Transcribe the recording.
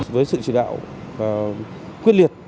với sự chỉ đạo quyết liệt